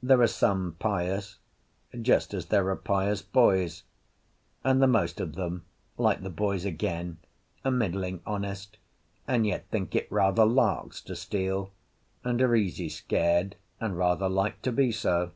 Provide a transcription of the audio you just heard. There are some pious, just as there are pious boys; and the most of them, like the boys again, are middling honest and yet think it rather larks to steal, and are easy scared and rather like to be so.